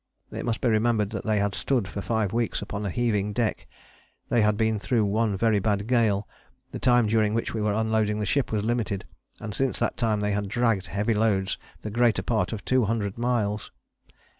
It must be remembered that they had stood for five weeks upon a heaving deck; they had been through one very bad gale: the time during which we were unloading the ship was limited, and since that time they had dragged heavy loads the greater part of 200 miles.